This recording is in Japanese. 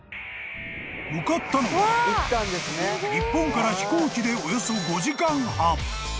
［向かったのは日本から飛行機でおよそ５時間半］